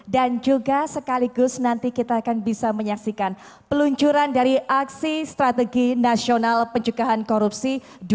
dan juga sekaligus nanti kita akan bisa menyaksikan peluncuran dari aksi strategi nasional pencegahan korupsi dua ribu dua puluh tiga dua ribu dua puluh empat